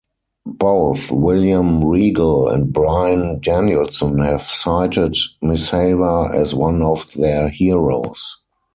Both William Regal and Bryan Danielson have cited Misawa as one of their heroes.